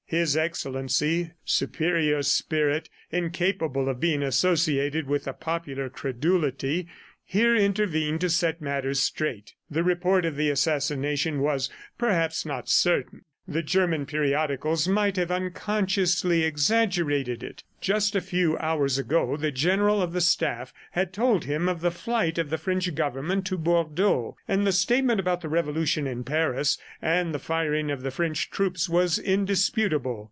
His Excellency, superior spirit, incapable of being associated with the popular credulity, here intervened to set matters straight. The report of the assassination was, perhaps, not certain; the German periodicals might have unconsciously exaggerated it. Just a few hours ago, the General of the Staff had told him of the flight of the French Government to Bordeaux, and the statement about the revolution in Paris and the firing of the French troops was indisputable.